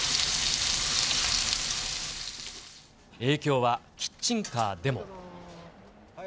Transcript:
影響はキッチンカーでも。